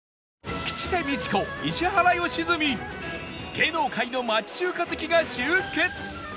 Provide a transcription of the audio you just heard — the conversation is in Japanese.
芸能界の町中華好きが集結！